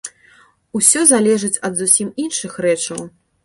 Усё залежыць ад зусім іншых рэчаў.